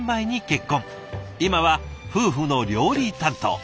今は夫婦の料理担当。